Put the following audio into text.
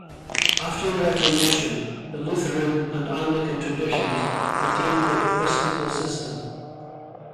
After the Reformation, the Lutheran and Anglican traditions retained the episcopal system.